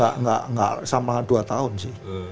gak tapi itu gak sama dua tahun sih